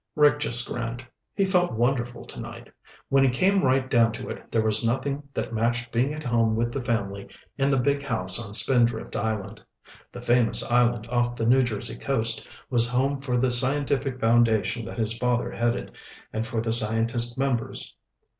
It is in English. Rick just grinned. He felt wonderful tonight. When you came right down to it, there was nothing that matched being at home with the family in the big house on Spindrift Island. The famous island off the New Jersey coast was home for the scientific foundation that his father headed, and for the scientist members.